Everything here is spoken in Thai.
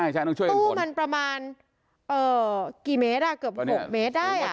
ใช่ตู้มันประมาณกี่เมตรอ่ะเกือบ๖เมตรได้อ่ะ